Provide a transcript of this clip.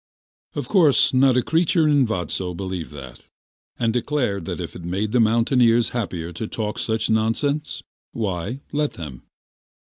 Of course not a creature in Vadso believed that, and declared that if it made the mountaineers happier to talk such nonsense, why, let them!